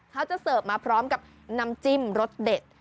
เขาจะเสิร์ฟมาพร้อมกับน้ำจิ้มรสเด็ด